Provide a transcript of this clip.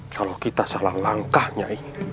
kalau kita salah langkah nyai